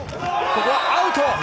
ここはアウト！